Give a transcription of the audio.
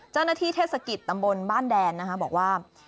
เจ้าหน้าที่เทศกิจตำบลบ้านแดนนะฮะบอกว่า